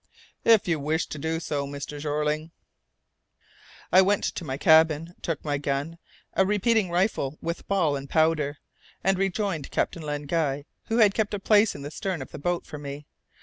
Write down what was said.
"If you wish to do so, Mr. Jeorling." I went to my cabin, took my gun a repeating rifle with ball and powder, and rejoined Captain Len Guy, who had kept a place in the stern of the boat for me.